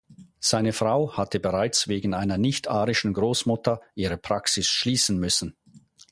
Seine Frau hatte bereits wegen einer nichtarischen Großmutter ihre Praxis schließen müssen.